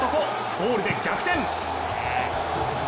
ゴールで逆転！